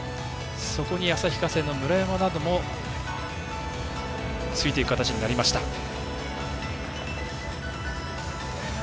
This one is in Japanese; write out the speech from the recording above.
そこに旭化成の村山などもついていく形になりました。